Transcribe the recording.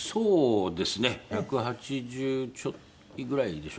１８０ちょいぐらいでしょうかね。